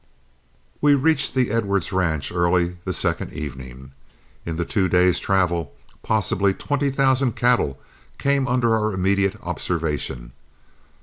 We reached the Edwards ranch early the second evening. In the two days' travel, possibly twenty thousand cattle came under our immediate observation.